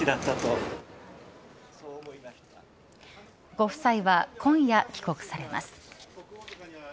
ご夫妻は今夜帰国されます。